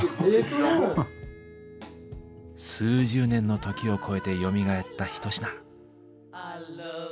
数十年の時を超えてよみがえった一品。